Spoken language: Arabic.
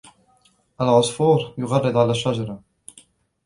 الْعَصْفُورُ يُغَرِّدُ عَلَى الشَّجَرَةِ.